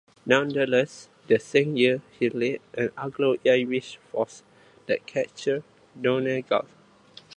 Nonetheless the same year he led an Anglo-Irish force that captured Donegal.